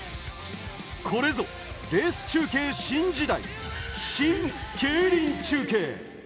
これぞレース中継新時代、シン・競輪中継。